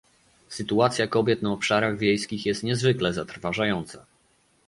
Sytuacja kobiet na obszarach wiejskich jest niezwykle zatrważająca